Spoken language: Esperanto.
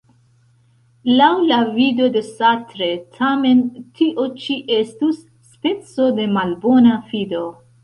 Laŭ la vido de Sartre, tamen, tio ĉi estus speco de malbona fido.